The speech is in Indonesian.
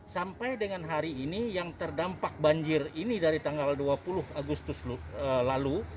sampai dengan hari ini yang terdampak banjir ini dari tanggal dua puluh agustus lalu